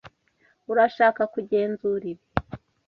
Urashaka kugenzura ibi?